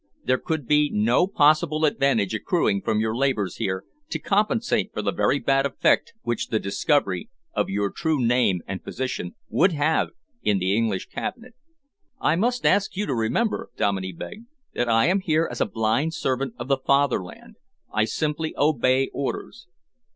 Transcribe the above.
There could be no possible advantage accruing from your labours here to compensate for the very bad effect which the discovery of your true name and position would have in the English Cabinet." "I must ask you to remember," Dominey begged, "that I am here as a blind servant of the Fatherland. I simply obey orders."